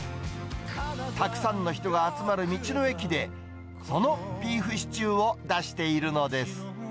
たくさんの人が集まる道の駅で、そのビーフシチューを出しているのです。